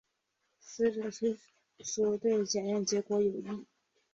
死者亲属对检验结果有异。